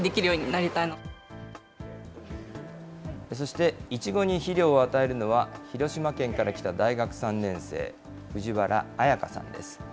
そして、いちごに肥料を与えるのは、広島県から来た大学３年生、藤原彩花さんです。